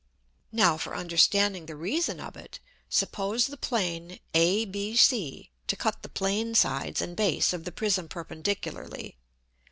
Now for understanding the Reason of it, suppose the Plane ABC to cut the Plane Sides and Base of the Prism perpendicularly.